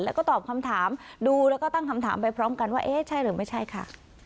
แล้วก็ตอบคำถามดูแล้วก็ตั้งคำถามไปพร้อมกันว่าเอ๊ะใช่หรือไม่ใช่ค่ะ